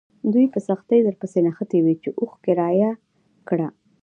دوی په سختۍ درپسې نښتي وي چې اوښ کرایه کړه.